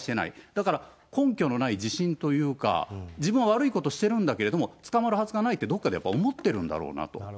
だから、根拠のない自信というか、自分は悪いことしてるんだけれども、捕まるはずがないって、どっかでやっぱ思ってるんだろうなと。